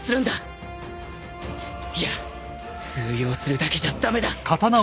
いや通用するだけじゃ駄目だ